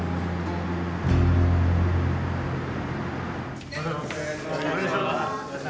・おはようございます。